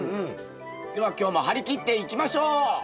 では今日も張り切っていきましょう！